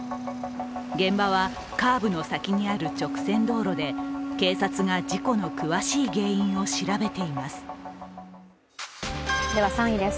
現場はカーブの先にある直線道路で警察が事故の詳しい原因を調べています。